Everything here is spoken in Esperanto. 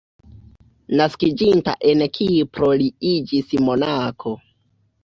Naskiĝinta en Kipro li iĝis monako.